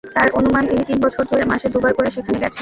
তাঁর অনুমান, তিনি তিন বছর ধরে মাসে দুবার করে সেখানে গেছেন।